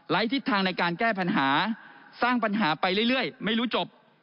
ทิศทางในการแก้ปัญหาสร้างปัญหาไปเรื่อยไม่รู้จบ